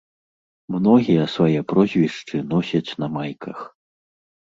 Многія свае прозвішчы носяць на майках.